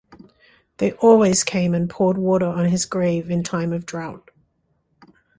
They always came and poured water on his grave in time of drought.